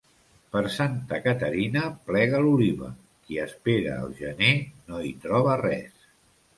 Per Santa Caterina plega l'oliva; qui espera el gener no hi troba res.